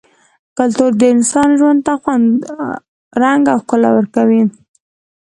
کلتور د انسان ژوند ته خوند ، رنګ او ښکلا ورکوي -